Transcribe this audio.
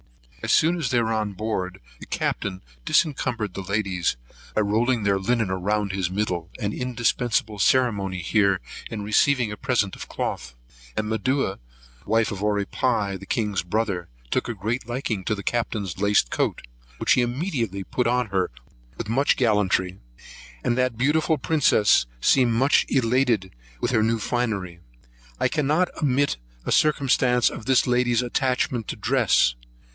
As soon as they were on board, the Captain debarassoit the ladies, by rolling their linen round his middle; an indispensable ceremony here in receiving a present of cloth: and Medua, wife to Oripai, the king's brother, took a great liking to the Captain's laced coat, which he immediately put on her with much gallantry; and that beautiful princess seemed much elated with her new finery. I cannot ommit a circumstance of this lady's attachment to dress.